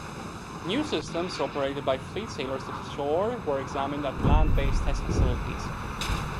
New systems, operated by fleet sailors ashore, were examined at land-based test facilities.